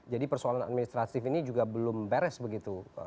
jadi persoalan administrasif ini juga belum beres begitu